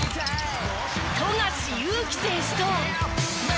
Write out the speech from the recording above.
富樫勇樹選手と。